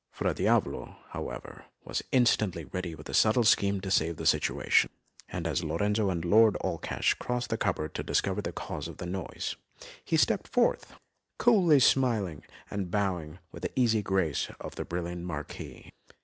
Fra Diavolo, however, was instantly ready with a subtle scheme to save the situation, and as Lorenzo and Lord Allcash crossed to the cupboard to discover the cause of the noise, he stepped forth, coolly smiling and bowing with the easy grace of the brilliant Marquis.